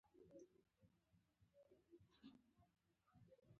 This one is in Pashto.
کندهار ښار د جنوب غرب حوزې مرکز دی.